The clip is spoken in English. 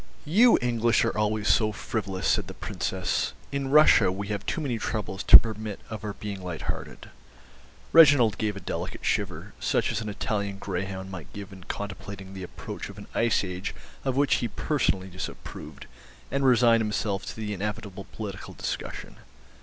"You English are always so frivolous," said the Princess. "In Russia we have too many troubles to permit of our being light hearted." Reginald gave a delicate shiver, such as an Italian greyhound might give in contemplating the approach of an ice age of which he personally disapproved, and resigned himself to the inevitable political discussion.